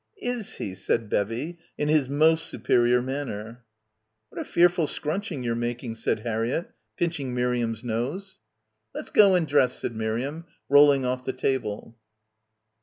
'Is he?' said Bevvy in 'his most superior manner." "What a fearful scrunching you're making," said Harriett, pinching Miriam's nose. "Let's go and dress," said Miriam, rolling off the table.